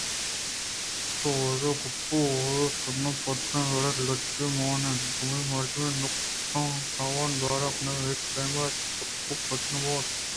شوازر ءِ گپ و احوال ءِ تہا پدّریں وڑے ءَ لُچی ئے مان اَت ءُ دومی مردے ءِ نقص ءُتاوان بار کنگ ءَہچ پیم ءَ چک و پد نہ بوت